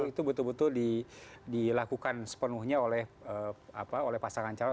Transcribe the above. itu betul betul dilakukan sepenuhnya oleh pasangan calon